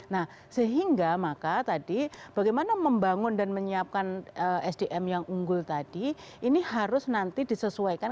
nah sehingga maka tadi bagaimana membangun dan menyiapkan sdm yang unggul tadi ini harus nanti disesuaikan